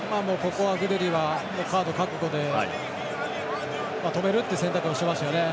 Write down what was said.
ここはグデリはファウル覚悟で止めるという選択をしましたよね。